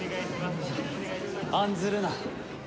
案ずるな。